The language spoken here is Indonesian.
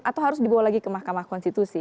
atau harus dibawa lagi ke mahkamah konstitusi